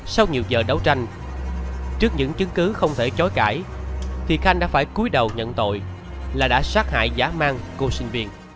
sau nhiều giờ đấu tranh trước những chứng cứ không thể chối cãi thì khanh đã phải cuối đầu nhận tội là đã sát hại giá mang cô sinh viên